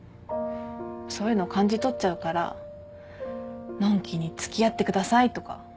そういうの感じ取っちゃうからのんきに「付き合ってください」とか言えないよ。